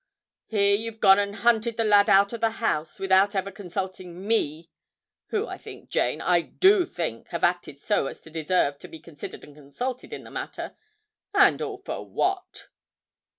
Here you've gone and hunted the lad out of the house, without ever consulting me (who, I think, Jane, I do think, have acted so as to deserve to be considered and consulted in the matter), and all for what?'